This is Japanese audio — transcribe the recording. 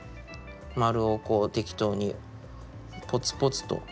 丸をこう適当にポツポツと。